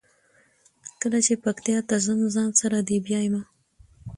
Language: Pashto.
کله چې پکتیا ته ځم ځان سره دې بیایمه.